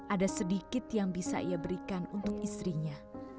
ada sedikit yang bisa ia berikan untuk istrinya